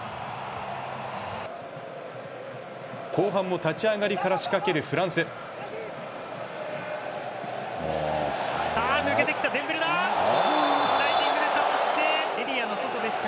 後半も立ち上がりから仕掛ける抜けてきた。